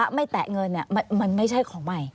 ไม่แตะเงินมันไม่ใช่ของใหม่